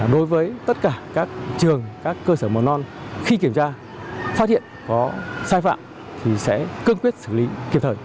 đối với tất cả các trường các cơ sở mầm non khi kiểm tra phát hiện có sai phạm thì sẽ cương quyết xử lý kịp thời